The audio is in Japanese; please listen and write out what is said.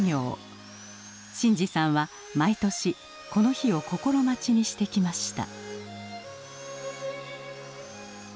新司さんは毎年この日を心待ちにしてきました。